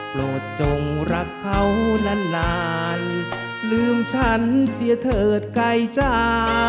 โปรดจงรักเขานานลืมฉันเสียเถิดไกลจ้า